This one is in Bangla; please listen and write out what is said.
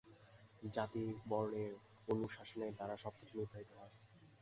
জাতি-বর্ণের অনুশাসনের দ্বারা সব কিছু নির্ধারিত হয়।